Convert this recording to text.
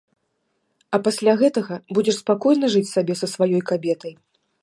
А пасля гэтага будзеш спакойна жыць сабе са сваёй кабетай.